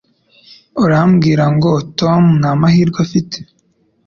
Urambwira ngo Tom nta mahirwe afite?